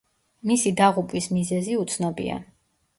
მისი დაღუპვის მიზეზი უცნობია.